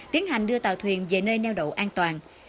tiến hành đưa tàu thuyền về nơi neo đậu an toàn